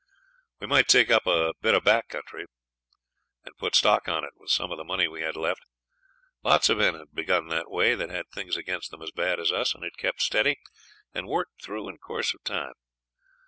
We might take up a bit of back country, and put stock on it with some of the money we had left. Lots of men had begun that way that had things against them as bad as us, and had kept steady, and worked through in course of time.